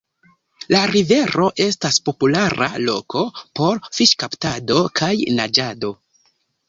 La rivero estas populara loko por fiŝkaptado kaj naĝado.